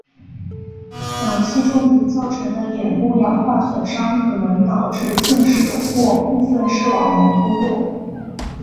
氧气中毒造成的眼部氧化损伤可能导致近视或部分视网膜脱落。